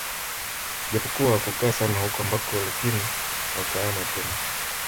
Japokuwa hawakukaa sana huko ambako lakini wakahama tena